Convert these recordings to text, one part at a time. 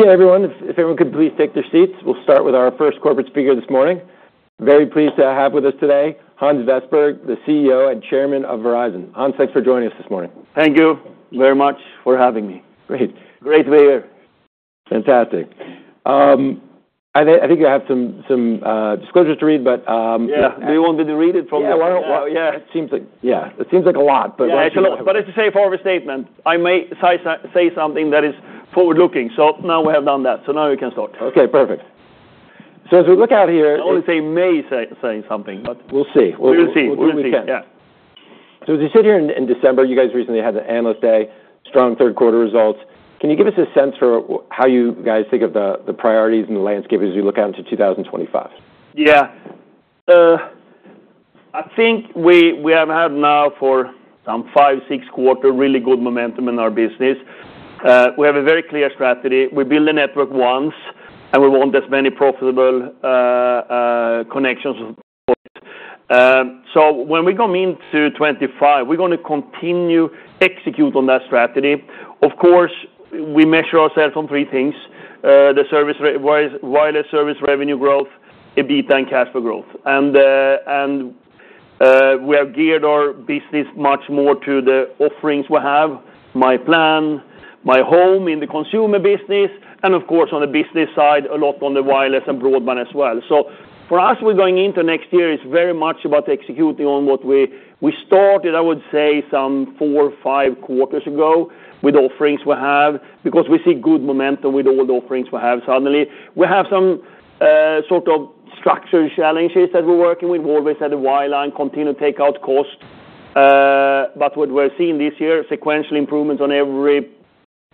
Okay, everyone. If everyone could please take their seats. We'll start with our first corporate speaker this morning. Very pleased to have with us today, Hans Vestberg, the CEO and Chairman of Verizon. Hans, thanks for joining us this morning. Thank you very much for having me. Great. Great to be here. Fantastic. I think I have some disclosures to read, but. Yeah. Do you want me to read it from? Yeah. It seems like a lot, but. But it's a Safe Harbor statement. I may say something that is forward-looking. So now we have done that. So now we can start. Okay. Perfect. So as we look out here. I only say something, but. We'll see. We'll see. We'll see what we can. Yeah. So as you sit here in December, you guys recently had the Analyst Day, strong third-quarter results. Can you give us a sense for how you guys think of the priorities and the landscape as you look out into 2025? Yeah. I think we have had now for some five, six quarters really good momentum in our business. We have a very clear strategy. We build a network once, and we want as many profitable connections as possible. So when we come into 2025, we're going to continue to execute on that strategy. Of course, we measure ourselves on three things: the wireless service revenue growth, EBITDA, and cash flow growth. And we have geared our business much more to the offerings we have: myPlan, myHome in the consumer business, and of course, on the business side, a lot on the wireless and broadband as well. So for us, we're going into next year. It's very much about executing on what we started, I would say, some four, five quarters ago with offerings we have because we see good momentum with all the offerings we have suddenly. We have some sort of structural challenges that we're working with: wireless and the wireline continue to take out costs, but what we're seeing this year: sequential improvements on every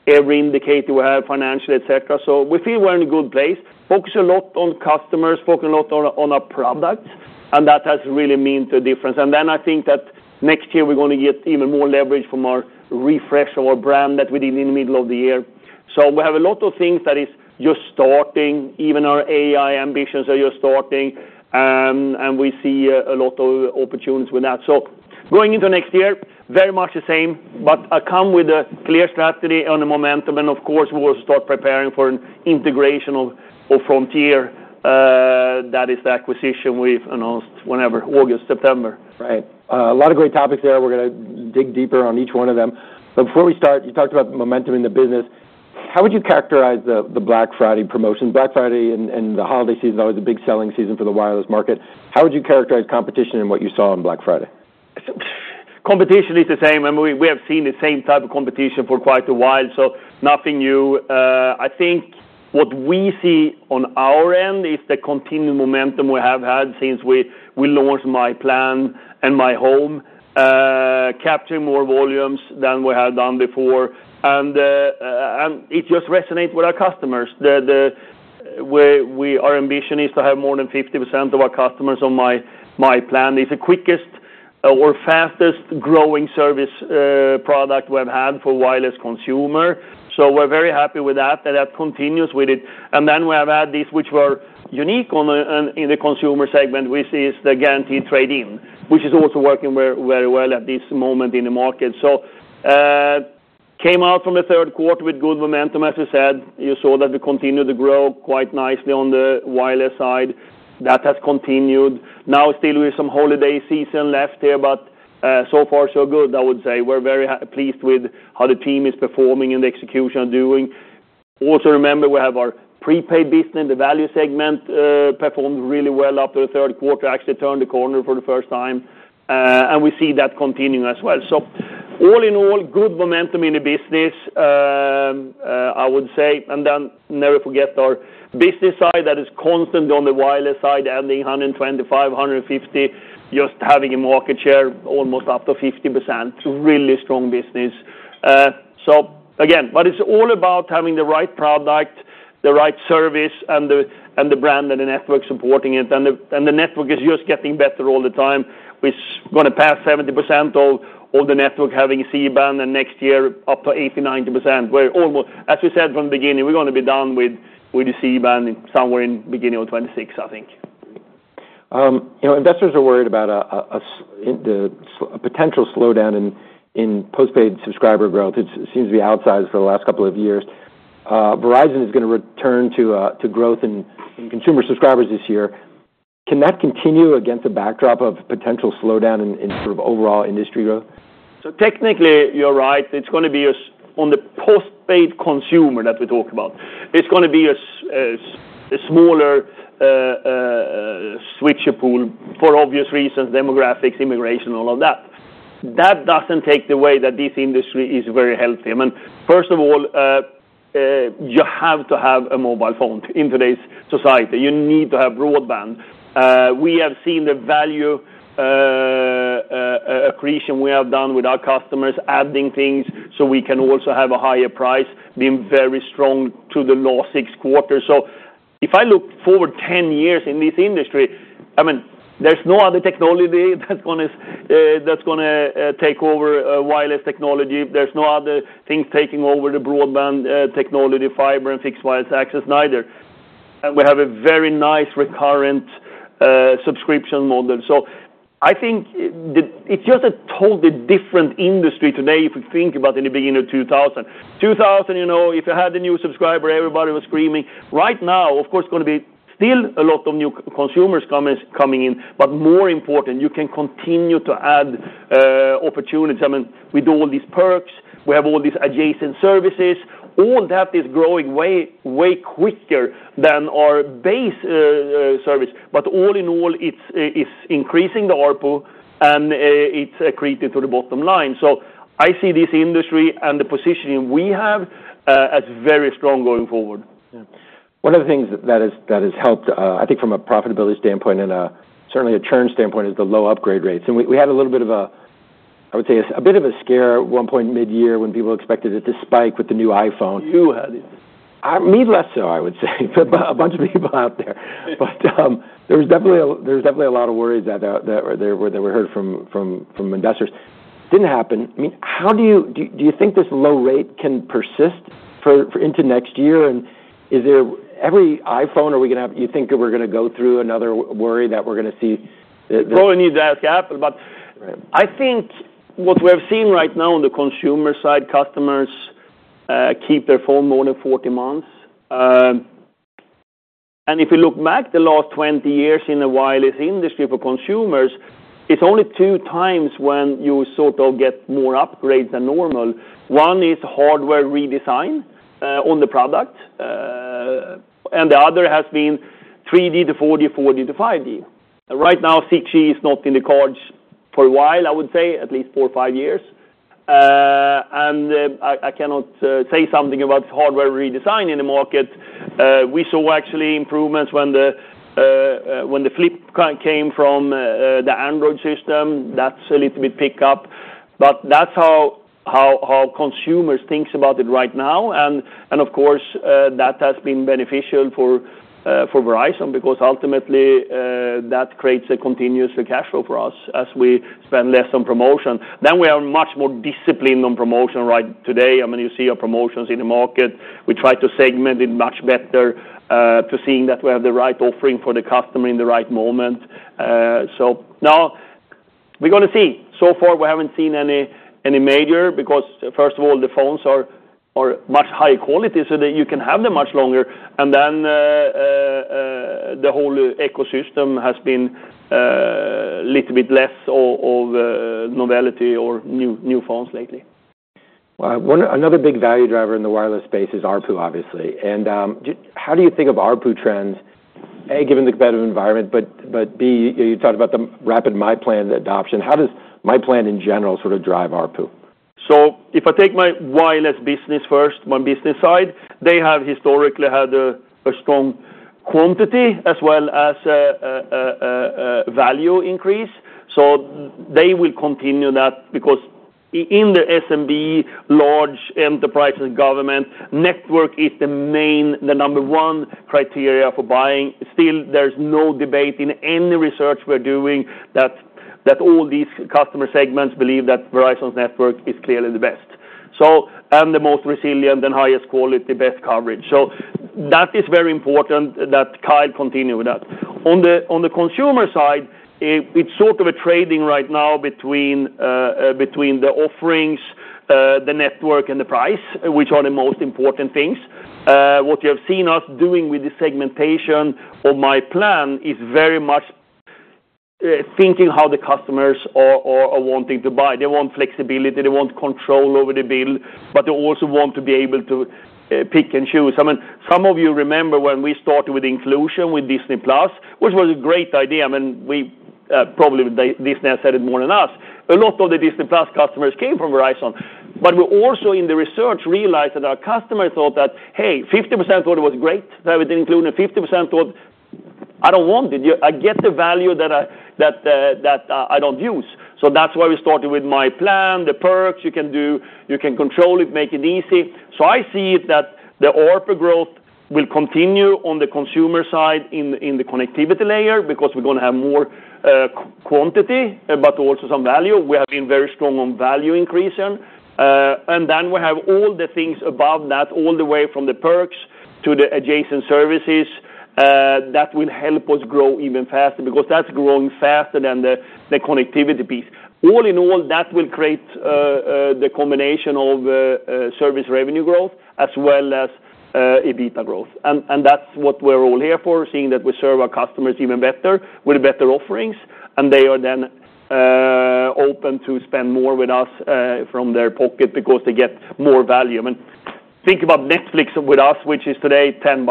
indicator we have financially, etc., so we feel we're in a good place. Focus a lot on customers, focus a lot on our product, and that has really meant a difference, and then I think that next year we're going to get even more leverage from our refresh of our brand that we did in the middle of the year, so we have a lot of things that are just starting. Even our AI ambitions are just starting, and we see a lot of opportunities with that, so going into next year, very much the same, but I come with a clear strategy on the momentum, and of course, we'll also start preparing for an integration of Frontier. That is the acquisition we've announced whenever? August, September. Right. A lot of great topics there. We're going to dig deeper on each one of them. But before we start, you talked about the momentum in the business. How would you characterize the Black Friday promotion? Black Friday and the holiday season are always a big selling season for the wireless market. How would you characterize competition and what you saw on Black Friday? Competition is the same. I mean, we have seen the same type of competition for quite a while, so nothing new. I think what we see on our end is the continued momentum we have had since we launched myPlan and myHome, capturing more volumes than we had done before, and it just resonates with our customers. Our ambition is to have more than 50% of our customers on myPlan. It's the quickest or fastest growing service product we've had for wireless consumers. So we're very happy with that, that continues with it. And then we have had this, which we're unique on in the consumer segment, which is the guaranteed trade-in, which is also working very well at this moment in the market. So we came out from the third quarter with good momentum, as we said. You saw that we continued to grow quite nicely on the wireless side. That has continued. Now, still, we have some holiday season left here, but so far, so good, I would say. We're very pleased with how the team is performing and the execution of doing. Also remember, we have our prepaid business. The value segment performed really well after the third quarter, actually turned the corner for the first time. And we see that continuing as well. So all in all, good momentum in the business, I would say. And then never forget our business side that is constantly on the wireless side, adding 125, 150, just having a market share almost up to 50%. It's a really strong business. So again, but it's all about having the right product, the right service, and the brand and the network supporting it. The network is just getting better all the time. We're going to pass 70% of the network having C-Band, and next year up to 80%-90%. As we said from the beginning, we're going to be done with the C-Band somewhere in the beginning of 2026. I think. Investors are worried about a potential slowdown in postpaid subscriber growth. It seems to be outsized for the last couple of years. Verizon is going to return to growth in consumer subscribers this year. Can that continue against the backdrop of potential slowdown in sort of overall industry growth? So technically, you're right. It's going to be on the postpaid consumer that we talk about. It's going to be a smaller switcher pool for obvious reasons: demographics, immigration, all of that. That doesn't take the way that this industry is very healthy. I mean, first of all, you have to have a mobile phone in today's society. You need to have broadband. We have seen the value accretion we have done with our customers, adding things so we can also have a higher price, being very strong to the last six quarters. So if I look forward 10 years in this industry, I mean, there's no other technology that's going to take over wireless technology. There's no other things taking over the broadband technology, fiber, and fixed wireless access, neither. And we have a very nice recurrent subscription model. So, I think it's just a totally different industry today if we think about in the beginning of 2000. 2000, if you had a new subscriber, everybody was screaming. Right now, of course, it's going to be still a lot of new consumers coming in, but more important, you can continue to add opportunities. I mean, with all these perks, we have all these adjacent services. All that is growing way quicker than our base service. But all in all, it's increasing the ARPU, and it's accreting to the bottom line. So I see this industry and the positioning we have as very strong going forward. One of the things that has helped, I think from a profitability standpoint and certainly a churn standpoint, is the low upgrade rates. And we had a little bit of a, I would say, a bit of a scare at one point mid-year when people expected it to spike with the new iPhone. You had it. Me less so, I would say, but a bunch of people out there. But there was definitely a lot of worries that were heard from investors. Didn't happen. I mean, do you think this low rate can persist into next year? And is there every iPhone, or are we going to have, do you think we're going to go through another worry that we're going to see? I need to ask Apple, but I think what we have seen right now on the consumer side, customers keep their phone more than 40 months, and if you look back the last 20 years in the wireless industry for consumers, it's only two times when you sort of get more upgrades than normal. One is hardware redesign on the product, and the other has been 3G to 4G, 4G to 5G. Right now, 6G is not in the cards for a while, I would say, at least four or five years, and I cannot say something about hardware redesign in the market. We saw actually improvements when the Flip came from the Android system. That's a little bit picked up, but that's how consumers think about it right now. And of course, that has been beneficial for Verizon because ultimately that creates a continuous cash flow for us as we spend less on promotion. Then we are much more disciplined on promotion right today. I mean, you see our promotions in the market. We try to segment it much better to seeing that we have the right offering for the customer in the right moment. So now we're going to see. So far, we haven't seen any major because, first of all, the phones are much higher quality so that you can have them much longer. And then the whole ecosystem has been a little bit less of novelty or new phones lately. Wow. Another big value driver in the wireless space is ARPU, obviously. And how do you think of ARPU trends, A, given the better environment, but B, you talked about the rapid myPlan adoption. How does myPlan in general sort of drive ARPU? So if I take my wireless business first, my business side, they have historically had a strong quantity as well as value increase. So they will continue that because in the SMB, large enterprises, government, network is the number one criteria for buying. Still, there's no debate in any research we're doing that all these customer segments believe that Verizon's network is clearly the best and the most resilient and highest quality, best coverage. So that is very important that Kyle continue with that. On the consumer side, it's sort of a trading right now between the offerings, the network, and the price, which are the most important things. What you have seen us doing with the segmentation of myPlan is very much thinking how the customers are wanting to buy. They want flexibility. They want control over the bill, but they also want to be able to pick and choose. I mean, some of you remember when we started with inclusion with Disney+, which was a great idea. I mean, probably Disney has said it more than us. A lot of the Disney+ customers came from Verizon. But we also in the research realized that our customers thought that, "Hey, 50% thought it was great that we didn't include it, and 50% thought, 'I don't want it. I get the value that I don't use.'" So that's why we started with myPlan, the perks. You can control it, make it easy. So I see that the ARPU growth will continue on the consumer side in the connectivity layer because we're going to have more quantity, but also some value. We have been very strong on value increasing. And then we have all the things above that, all the way from the perks to the adjacent services that will help us grow even faster because that's growing faster than the connectivity piece. All in all, that will create the combination of service revenue growth as well as EBITDA growth. And that's what we're all here for, seeing that we serve our customers even better with better offerings. And they are then open to spend more with us from their pocket because they get more value. I mean, think about Netflix with us, which is today $10.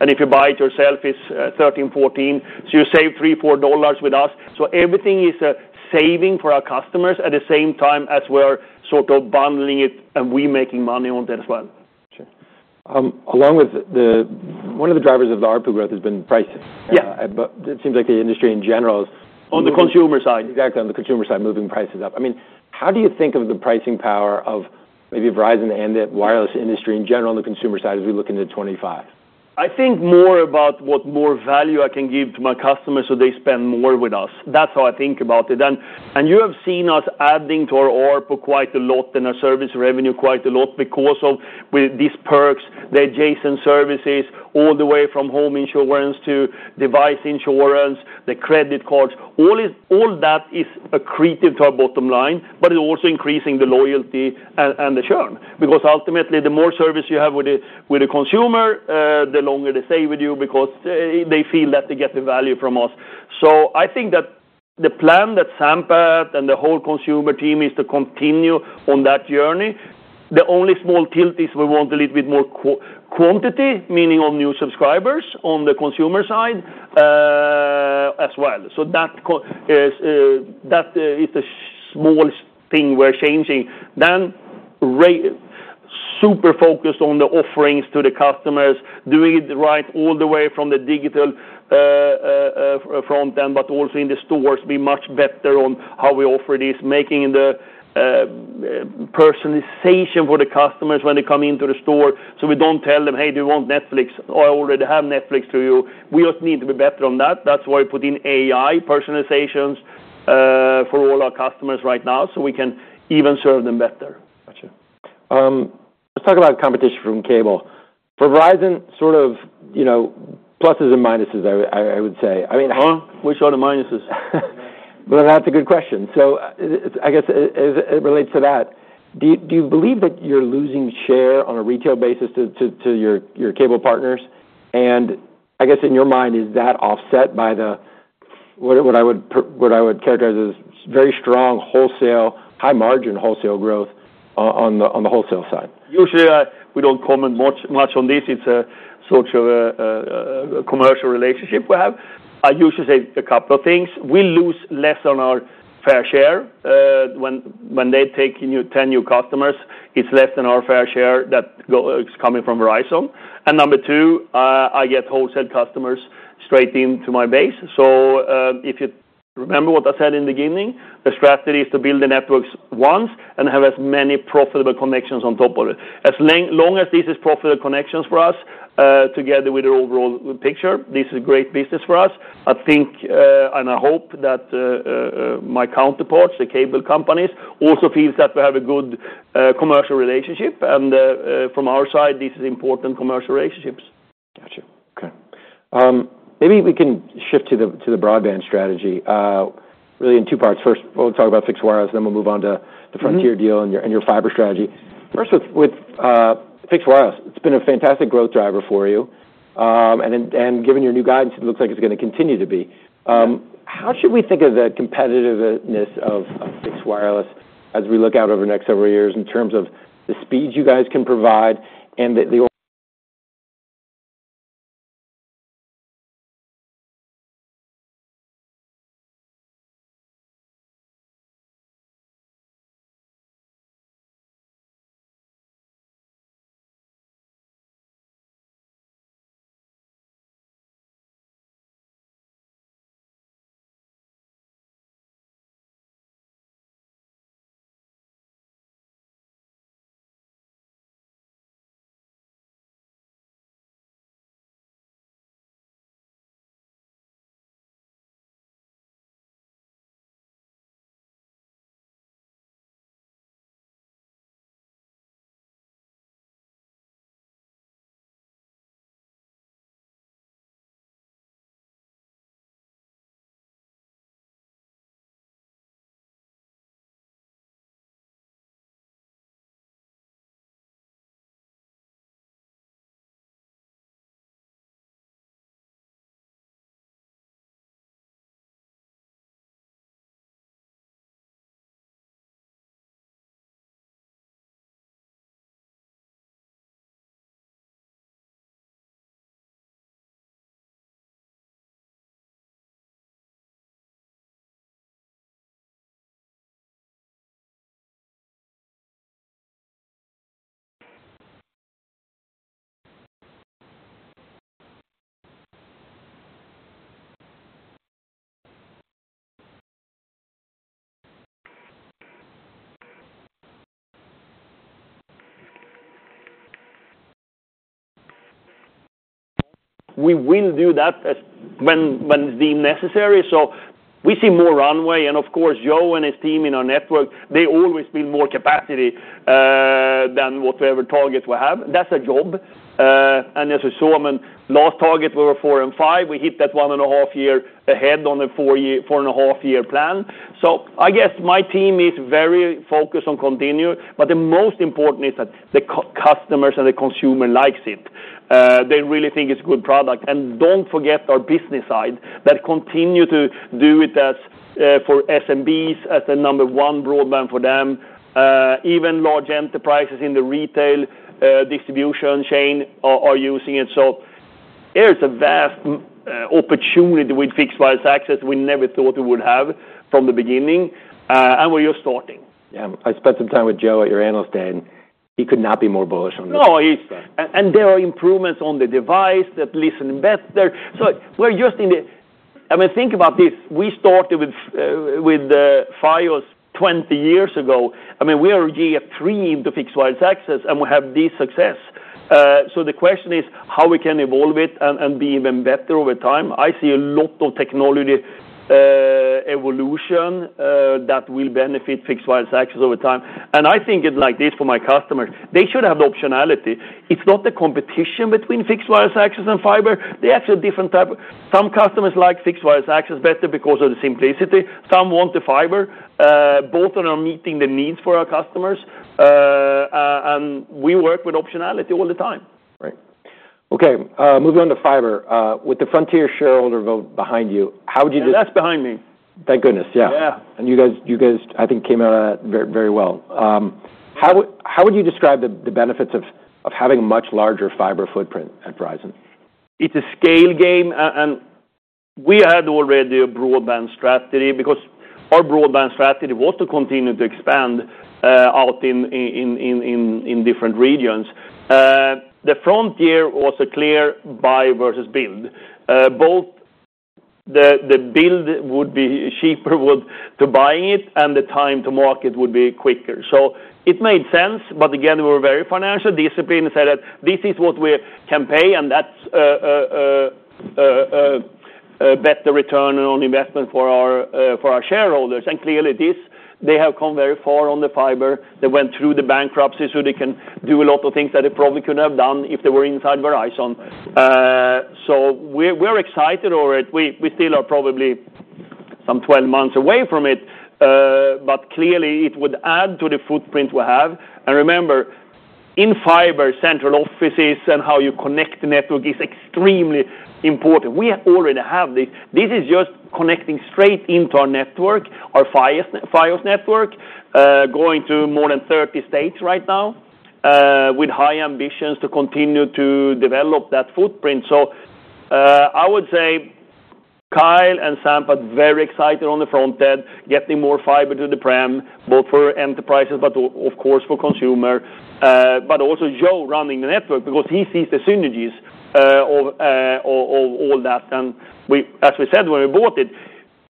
And if you buy it yourself, it's $13-$14. So you save $3-$4 with us. So everything is a saving for our customers at the same time as we're sort of bundling it and we making money on that as well. Sure. Along with one of the drivers of the ARPU growth has been pricing. But it seems like the industry in general is. On the consumer side. Exactly. On the consumer side, moving prices up. I mean, how do you think of the pricing power of maybe Verizon and the wireless industry in general on the consumer side as we look into 2025? I think more about what more value I can give to my customers so they spend more with us. That's how I think about it, and you have seen us adding to our ARPU quite a lot and our service revenue quite a lot because of these perks, the adjacent services, all the way from home insurance to device insurance, the credit cards. All that is accretive to our bottom line, but it's also increasing the loyalty and the churn because ultimately, the more service you have with the consumer, the longer they stay with you because they feel that they get the value from us, so I think that the plan that Sampath and the whole consumer team is to continue on that journey. The only small tilt is we want a little bit more quantity, meaning on new subscribers on the consumer side as well. So that is the smallest thing we're changing. Then super focused on the offerings to the customers, doing it right all the way from the digital front end, but also in the stores, be much better on how we offer this, making the personalization for the customers when they come into the store. So we don't tell them, "Hey, do you want Netflix? I already have Netflix for you." We just need to be better on that. That's why we put in AI personalizations for all our customers right now so we can even serve them better. Gotcha. Let's talk about competition from cable. For Verizon, sort of pluses and minuses, I would say. I mean. Huh? Which are the minuses? Well, that's a good question. So I guess it relates to that. Do you believe that you're losing share on a retail basis to your cable partners? And I guess in your mind, is that offset by what I would characterize as very strong wholesale, high-margin wholesale growth on the wholesale side? Usually, we don't comment much on this. It's a sort of a commercial relationship we have. I usually say a couple of things. We lose less on our fair share. When they take 10 new customers, it's less than our fair share that is coming from Verizon. And number two, I get wholesale customers straight into my base. So if you remember what I said in the beginning, the strategy is to build the networks once and have as many profitable connections on top of it. As long as this is profitable connections for us together with the overall picture, this is a great business for us. I think and I hope that my counterparts, the cable companies, also feel that we have a good commercial relationship, and from our side, this is important commercial relationships. Gotcha. Okay. Maybe we can shift to the broadband strategy, really in two parts. First, we'll talk about fixed wireless, then we'll move on to the Frontier deal and your fiber strategy. First, with fixed wireless, it's been a fantastic growth driver for you and given your new guidance, it looks like it's going to continue to be. How should we think of the competitiveness of fixed wireless as we look out over the next several years in terms of the speeds you guys can provide and the. We will do that when it's deemed necessary, so we see more runway, and of course, Joe and his team in our network, they always build more capacity than whatever targets we have. That's a job, and as we saw, I mean, last target, we were four and five. We hit that one and a half year ahead on the four and a half year plan, so I guess my team is very focused on continue, but the most important is that the customers and the consumer likes it. They really think it's a good product, and don't forget our business side, that continue to do it as for SMBs as the number one broadband for them. Even large enterprises in the retail distribution chain are using it, so there's a vast opportunity with fixed wireless access we never thought we would have from the beginning, and we're just starting. Yeah. I spent some time with Joe at your analyst day. He could not be more bullish on this. No, he is. And there are improvements on the device that listen better. So, I mean, think about this. We started with Fios 20 years ago. I mean, we are already three years into fixed wireless access, and we have this success. So the question is how we can evolve it and be even better over time. I see a lot of technology evolution that will benefit fixed wireless access over time. And I think it's like this for my customers. They should have the optionality. It's not the competition between fixed wireless access and fiber. They're actually different types. Some customers like fixed wireless access better because of the simplicity. Some want the fiber. Both of them are meeting the needs for our customers. And we work with optionality all the time. Right. Okay. Moving on to fiber. With the Frontier shareholder vote behind you, how would you just? That's behind me. Thank goodness. Yeah. And you guys, I think, came out of that very well. How would you describe the benefits of having a much larger fiber footprint at Verizon? It's a scale game, and we had already a broadband strategy because our broadband strategy was to continue to expand out in different regions. The Frontier was a clear buy versus build. Both the build would be cheaper to buy it, and the time to market would be quicker, so it made sense. But again, we were very financially disciplined and said that this is what we can pay, and that's a better return on investment for our shareholders, and clearly, they have come very far on the fiber. They went through the bankruptcy, so they can do a lot of things that they probably couldn't have done if they were inside Verizon, so we're excited over it. We still are probably some 12 months away from it, but clearly, it would add to the footprint we have. Remember, in fiber, central offices and how you connect the network is extremely important. We already have this. This is just connecting straight into our network, our Fios network, going to more than 30 states right now with high ambitions to continue to develop that footprint. I would say Kyle and Sampath are very excited on the front end, getting more fiber to the premise, both for enterprises, but of course, for consumer, but also Joe running the network because he sees the synergies of all that. We said when we bought it,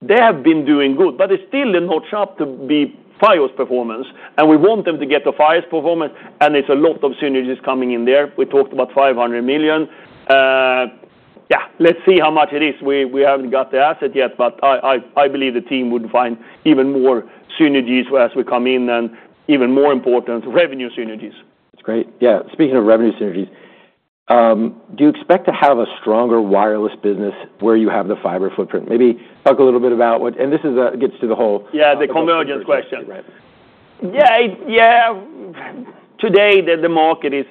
they have been doing good, but it's still not sharp to be Fios performance. We want them to get to Fios performance, and there's a lot of synergies coming in there. We talked about $500 million. Yeah. Let's see how much it is. We haven't got the asset yet, but I believe the team would find even more synergies as we come in and even more important revenue synergies. That's great. Yeah. Speaking of revenue synergies, do you expect to have a stronger wireless business where you have the fiber footprint? Maybe talk a little bit about what, and this gets to the whole. Yeah, the convergence question. Right. Yeah. Yeah. Today, the market is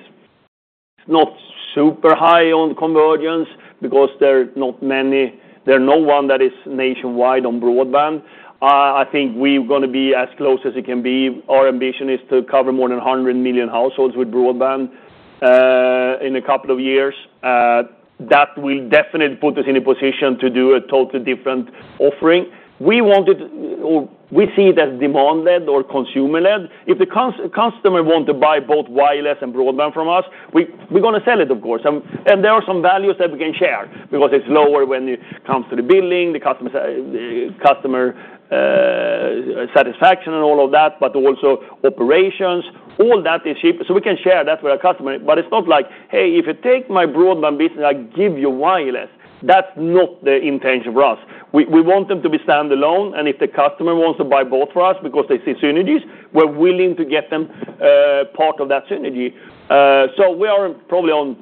not super high on convergence because there are not many. There's no one that is nationwide on broadband. I think we're going to be as close as it can be. Our ambition is to cover more than 100 million households with broadband in a couple of years. That will definitely put us in a position to do a totally different offering. We want it. We see it as demand-led or consumer-led. If the customer wants to buy both wireless and broadband from us, we're going to sell it, of course, and there are some values that we can share because it's lower when it comes to the billing, the customer satisfaction, and all of that, but also operations. All that is cheap, so we can share that with our customer. But it's not like, "Hey, if you take my broadband business, I give you wireless." That's not the intention for us. We want them to be standalone. And if the customer wants to buy both for us because they see synergies, we're willing to get them part of that synergy. So we are probably on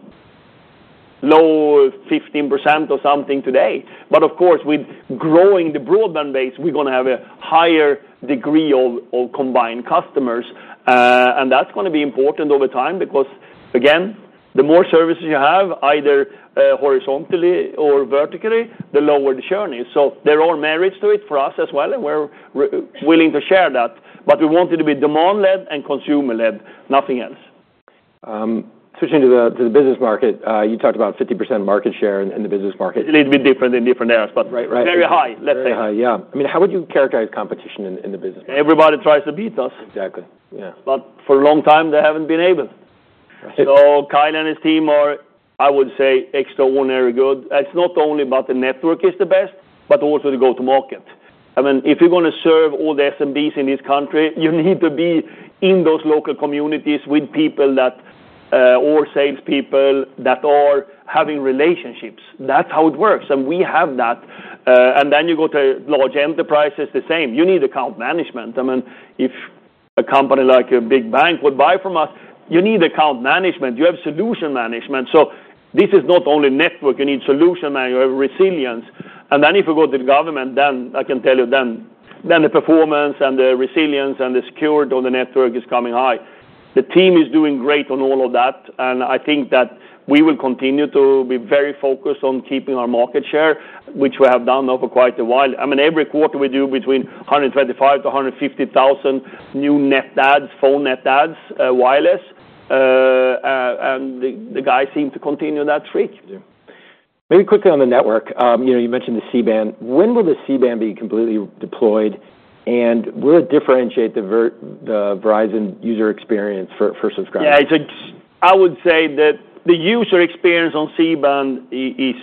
low 15% or something today. But of course, with growing the broadband base, we're going to have a higher degree of combined customers. And that's going to be important over time because, again, the more services you have, either horizontally or vertically, the lower the churn is. So there are merits to it for us as well, and we're willing to share that. But we want it to be demand-led and consumer-led, nothing else. Switching to the business market, you talked about 50% market share in the business market. A little bit different in different areas, but very high, let's say. Very high. Yeah. I mean, how would you characterize competition in the business market? Everybody tries to beat us. Exactly. Yeah. But for a long time, they haven't been able. So Kyle and his team are, I would say, extraordinarily good. It's not only about the network is the best, but also the go-to-market. I mean, if you're going to serve all the SMBs in this country, you need to be in those local communities with people that are salespeople that are having relationships. That's how it works. And we have that. And then you go to large enterprises, the same. You need account management. I mean, if a company like a big bank would buy from us, you need account management. You have solution management. So this is not only network. You need solution management, resilience. And then if you go to the government, then I can tell you then the performance and the resilience and the security on the network is coming high. The team is doing great on all of that. And I think that we will continue to be very focused on keeping our market share, which we have done now for quite a while. I mean, every quarter, we do between 125,000 to 150,000 new net adds, phone net adds, wireless. And the guys seem to continue that streak. Yeah. Maybe quickly on the network. You mentioned the C-Band. When will the C-Band be completely deployed? And will it differentiate the Verizon user experience for subscribers? Yeah. I would say that the user experience on C-Band is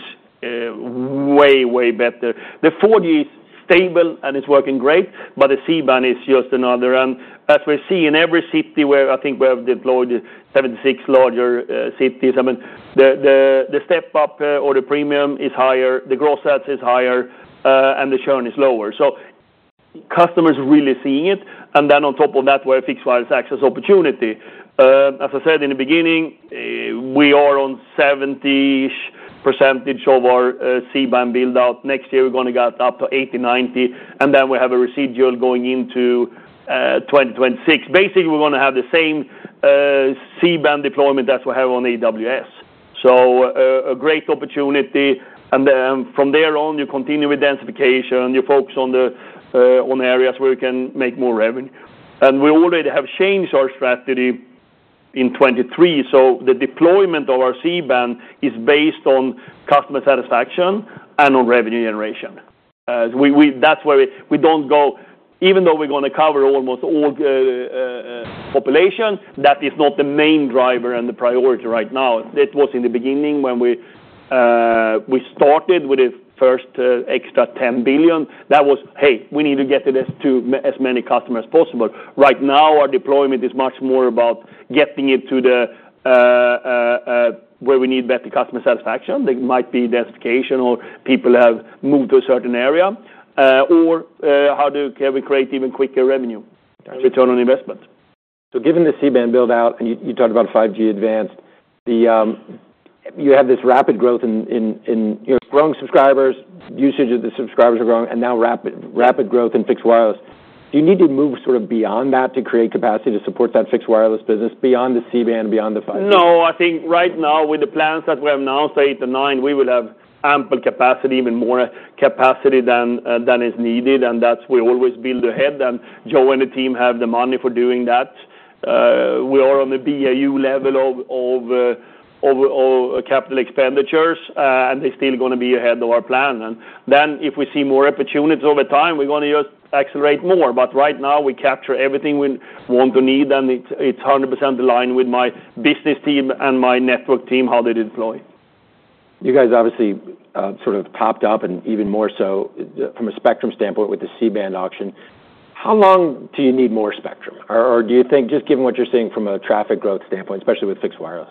way, way better. The 4G is stable, and it's working great. But the C-Band is just another. And as we're seeing in every city where I think we have deployed 76 larger cities, I mean, the step-up or the premium is higher, the gross adds is higher, and the churn is lower. So customers are really seeing it. And then on top of that, we have fixed wireless access opportunity. As I said in the beginning, we are on 70-ish% of our C-Band build-out. Next year, we're going to get up to 80-90. And then we have a residual going into 2026. Basically, we're going to have the same C-Band deployment as we have on AWS. So a great opportunity. And then from there on, you continue with densification. You focus on the areas where you can make more revenue, and we already have changed our strategy in 2023, so the deployment of our C-Band is based on customer satisfaction and on revenue generation. That's where we don't go. Even though we're going to cover almost all population, that is not the main driver and the priority right now. It was in the beginning when we started with the first extra $10 billion. That was, "Hey, we need to get to as many customers as possible." Right now, our deployment is much more about getting it to where we need better customer satisfaction. That might be densification or people have moved to a certain area or how do we create even quicker revenue, return on investment. So given the C-Band build-out, and you talked about 5G Advanced, you have this rapid growth in your growing subscribers, usage of the subscribers are growing, and now rapid growth in fixed wireless. Do you need to move sort of beyond that to create capacity to support that fixed wireless business beyond the C-Band, beyond the 5G? No. I think right now, with the plans that we have now, say eight to nine, we will have ample capacity, even more capacity than is needed. And that's we always build ahead. And Joe and the team have the money for doing that. We are on the BAU level of capital expenditures, and they're still going to be ahead of our plan. And then if we see more opportunities over time, we're going to just accelerate more. But right now, we capture everything we want to need, and it's 100% aligned with my business team and my network team, how they deploy. You guys obviously sort of topped up, and even more so from a spectrum standpoint with the C-Band auction. How long do you need more spectrum? Or do you think, just given what you're seeing from a traffic growth standpoint, especially with fixed wireless?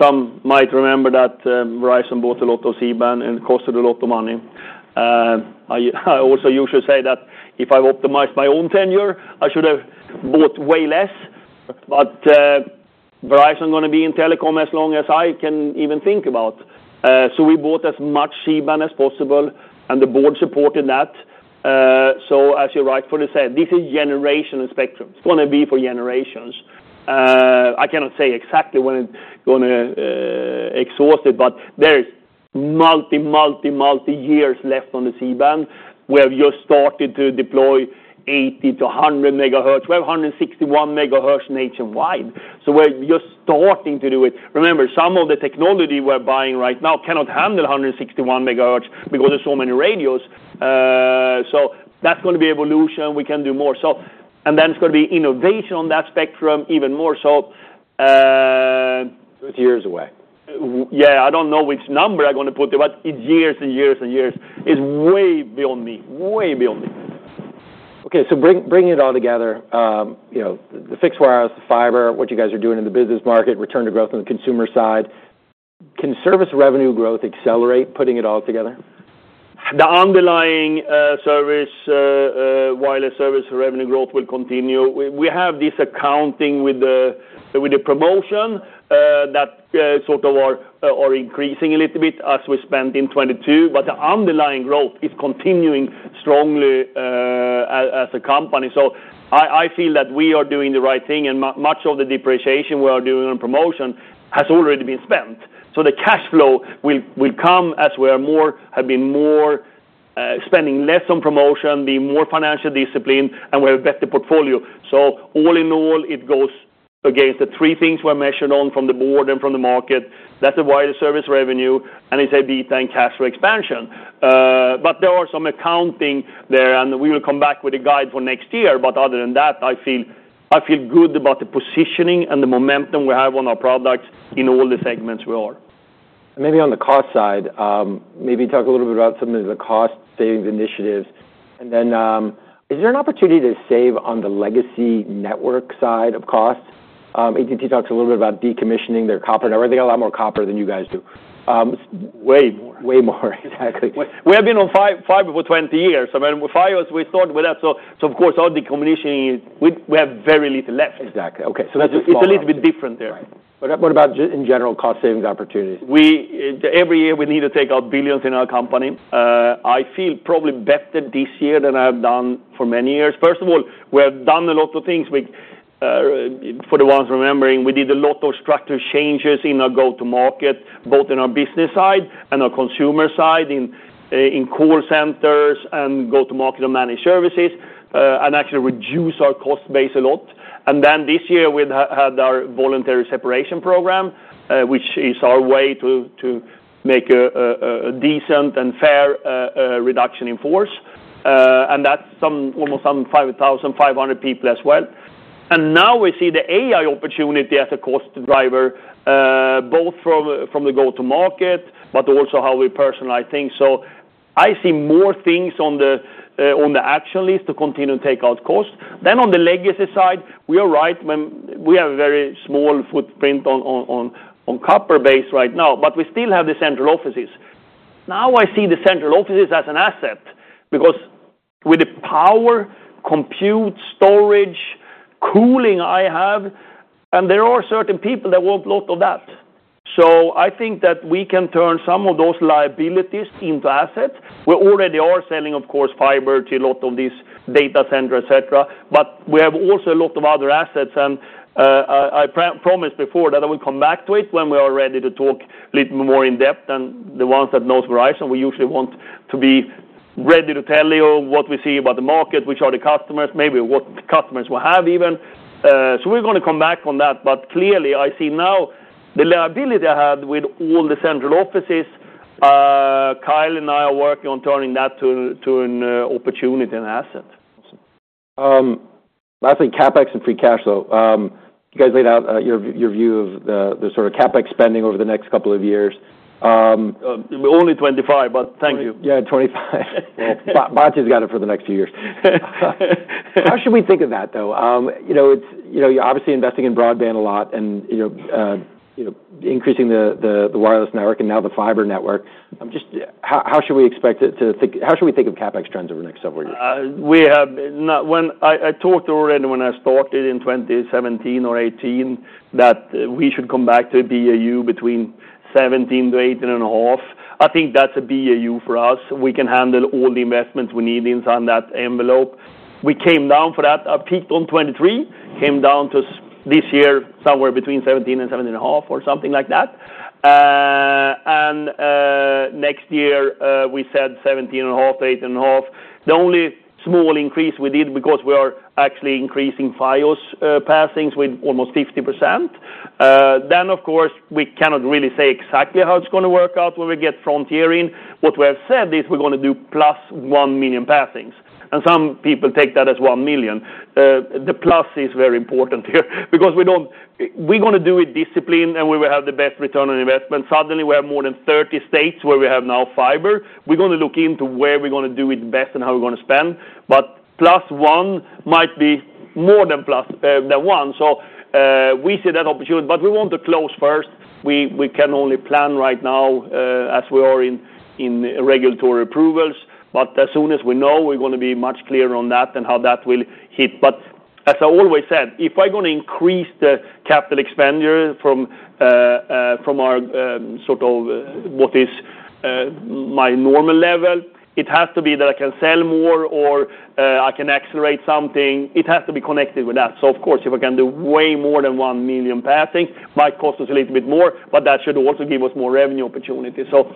Some might remember that Verizon bought a lot of C-Band, and it cost a lot of money. I also usually say that if I've optimized my own tenure, I should have bought way less. But Verizon is going to be in telecom as long as I can even think about. So we bought as much C-Band as possible, and the board supported that. So as you're right to say, this is generational spectrum. It's going to be for generations. I cannot say exactly when it's going to exhaust it, but there's multi, multi, multi years left on the C-Band. We have just started to deploy 80-100 megahertz. We have 161 megahertz nationwide. So we're just starting to do it. Remember, some of the technology we're buying right now cannot handle 161 megahertz because there's so many radios. So that's going to be evolution. We can do more, and then it's going to be innovation on that spectrum even more so. So it's years away. Yeah. I don't know which number I'm going to put there, but it's years and years and years. It's way beyond me, way beyond me. Okay. So bringing it all together, the fixed wireless, the fiber, what you guys are doing in the business market, return to growth on the consumer side. Can service revenue growth accelerate putting it all together? The underlying wireless service revenue growth will continue. We have this accounting with the promotion that sort of are increasing a little bit as we spent in 2022. But the underlying growth is continuing strongly as a company. So I feel that we are doing the right thing. And much of the depreciation we are doing on promotion has already been spent. So the cash flow will come as we have been spending less on promotion, being more financial discipline, and we have a better portfolio. So all in all, it goes against the three things we're measured on from the board and from the market. That's the wireless service revenue, and it's EBITDA and cash flow expansion. But there are some accounting there, and we will come back with a guidance for next year. But other than that, I feel good about the positioning and the momentum we have on our products in all the segments we are. Maybe on the cost side, maybe talk a little bit about some of the cost-saving initiatives, and then is there an opportunity to save on the legacy network side of costs? AT&T talks a little bit about decommissioning their copper. I think a lot more copper than you guys do. Way more. Way more. Exactly. We have been on fiber for 20 years. I mean, with fiber, we started with that. So of course, our decommissioning, we have very little left. Exactly. Okay, so that's a small. It's a little bit different there. Right. What about in general cost-saving opportunities? Every year, we need to take out billions in our company. I feel probably better this year than I have done for many years. First of all, we have done a lot of things. For the ones remembering, we did a lot of structural changes in our go-to-market, both in our business side and our consumer side in call centers and go-to-market and managed services, and actually reduced our cost base a lot. And then this year, we had our voluntary separation program, which is our way to make a decent and fair reduction in force. And that's almost some 5,500 people as well. And now we see the AI opportunity as a cost driver, both from the go-to-market, but also how we personalize things. So I see more things on the action list to continue to take out costs. Then on the legacy side, we are right. We have a very small footprint on copper base right now, but we still have the central offices. Now I see the central offices as an asset because with the power, compute, storage, cooling I have, and there are certain people that want a lot of that. So I think that we can turn some of those liabilities into assets. We already are selling, of course, fiber to a lot of these data centers, etc., but we have also a lot of other assets, and I promised before that I will come back to it when we are ready to talk a little more in depth, and the ones that know Verizon, we usually want to be ready to tell you what we see about the market, which are the customers, maybe what customers will have even, so we're going to come back on that. But clearly, I see now the liability I had with all the central offices. Kyle and I are working on turning that to an opportunity and asset. Awesome. Lastly, CapEx and free cash flow. You guys laid out your view of the sort of CapEx spending over the next couple of years. Only '25, but thank you. Yeah, '25. The market got it for the next few years. How should we think of that, though? You're obviously investing in broadband a lot and increasing the wireless network and now the fiber network. How should we expect it to trend? How should we think of CapEx trends over the next several years? We have not. I talked already when I started in 2017 or 2018 that we should come back to a BAU between 17 to 18.5. I think that's a BAU for us. We can handle all the investments we need inside that envelope. We came down for that. I peaked in 2023, came down to this year somewhere between 17 and 17.5 or something like that, and next year, we said 17.5 to 18.5. The only small increase we did because we are actually increasing Fios passings with almost 50%. Then, of course, we cannot really say exactly how it's going to work out when we get Frontier in. What we have said is we're going to do plus 1 million passings, and some people take that as 1 million. The plus is very important here because we're going to do it disciplined, and we will have the best return on investment. Suddenly, we have more than 30 states where we have now fiber. We're going to look into where we're going to do it best and how we're going to spend. But plus one might be more than plus than one. So we see that opportunity, but we want to close first. We can only plan right now as we are in regulatory approvals. But as soon as we know, we're going to be much clearer on that and how that will hit. But as I always said, if I'm going to increase the capital expenditure from our sort of what is my normal level, it has to be that I can sell more or I can accelerate something. It has to be connected with that. So of course, if I can do way more than one million passings, my cost is a little bit more, but that should also give us more revenue opportunity. So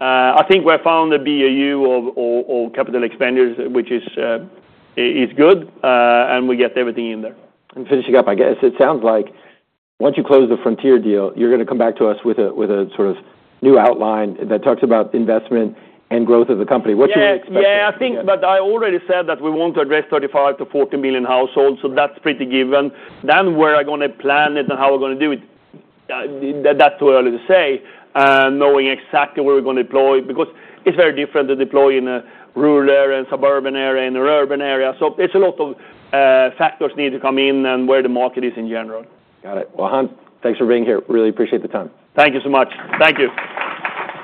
I think we have found a BAU of capital expenditure, which is good, and we get everything in there. Finishing up, I guess, it sounds like once you close the Frontier deal, you're going to come back to us with a sort of new outline that talks about investment and growth of the company. What should we expect? Yeah. Yeah. I think, but I already said that we want to address 35-40 million households. So that's pretty given. Then where are we going to plan it and how we're going to do it? That's too early to say, knowing exactly where we're going to deploy because it's very different to deploy in a rural area and suburban area and an urban area. So there's a lot of factors that need to come in and where the market is in general. Got it. Well, Hans, thanks for being here. Really appreciate the time. Thank you so much. Thank you.